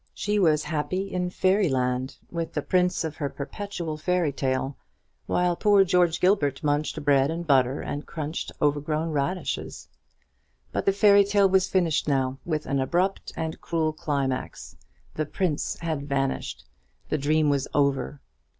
She was happy in fairy land, with the prince of her perpetual fairy tale, while poor George Gilbert munched bread and butter and crunched overgrown radishes. But the fairy tale was finished now, with an abrupt and cruel climax; the prince had vanished; the dream was over.